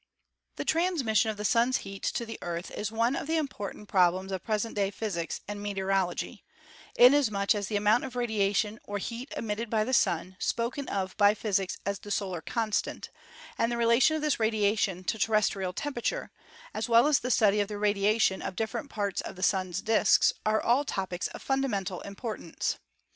The transmission of the Sun's heat to the Earth is one of the important problems of present day physics and meteorology, inasmuch as the amount of radiation or heat emitted by the Sun, spoken of by physicists as the "solar constant" and the relation of this radiation to ter restrial temperature, as well as the study of the radiation of different parts of the Sun's disk, are all topics of fun damental importance.